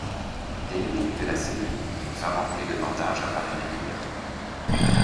Dès le début de la série, une femme enroulée de bandages apparaît régulièrement.